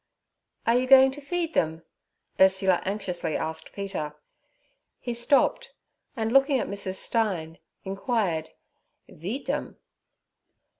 'Are you going to feed them?' Ursula anxiously asked Peter. He stopped and, looking at Mrs. Stein, inquired, 'Veedt 'em?'